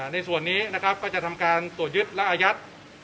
ในส่วนนี้นะครับก็จะทำการตรวจยึดและอายัด